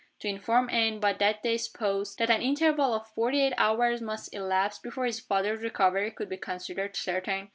to inform Anne, by that day's post, that an interval of forty eight hours must elapse before his father's recovery could be considered certain?